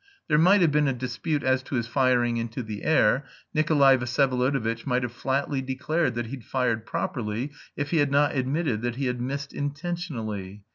There might have been a dispute as to his firing into the air. Nikolay Vsyevolodovitch might have flatly declared that he'd fired properly, if he had not admitted that he had missed intentionally.